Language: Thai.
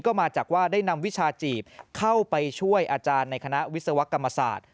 ก็มาจากว่าได้นำวิชาจีบเข้าไปช่วยอาจารย์ในคณะวิศวกรรมศาสตร์